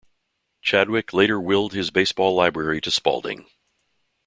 Chadwick later willed his baseball library to Spalding.